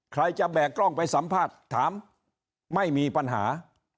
ใครจะแบกกล้องไปสัมภาษณ์ถามไม่มีปัญหา